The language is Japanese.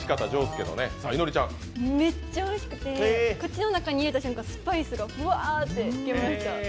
めっちゃおいしくて、口の中に入れた瞬間、スパイスがフワーッて来ました。